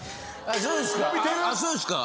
あっそうですか？